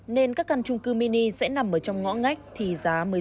nên các căn trung cư mini sẽ nằm ở trong ngõ ngách thì giá mới rẻ